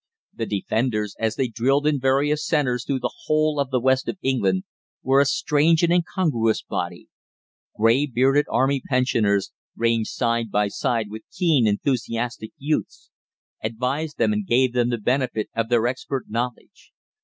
The defenders, as they drilled in various centres through the whole of the West of England, were a strange and incongruous body. Grey bearded Army pensioners ranged side by side with keen, enthusiastic youths, advised them and gave them the benefit of their expert knowledge.